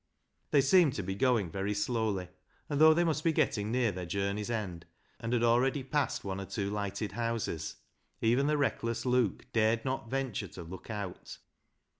They seemed to be going very slowly, and though they must be getting near their journey's end, and had already passed one or two lighted houses, even the reckless Luke dared not venture to look out.